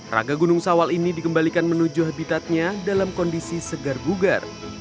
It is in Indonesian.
raga gunung sawal ini dikembalikan menuju habitatnya dalam kondisi segar bugar